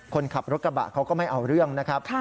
คนขับรถกระบะเขาก็ไม่เอาเรื่องนะครับ